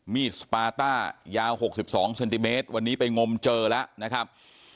มีดสปาต้ายาว๖๒เซนติเมตรวันนี้ไปงมเจอแล้วนะครับ